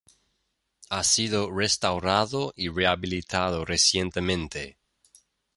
Ha sido restaurado y rehabilitado recientemente.